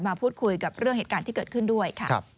มาพูดคุยกับเรื่องเหตุการณ์ที่เกิดขึ้นด้วยค่ะ